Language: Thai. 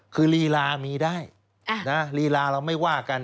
คือลีลามีได้ลีลาเราไม่ว่ากัน